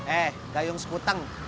eh gayung sekuteng